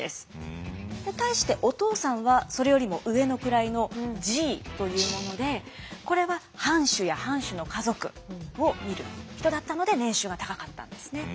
対してお父さんはそれよりも上の位の侍医というものでこれは藩主や藩主の家族を診る人だったので年収が高かったんですね。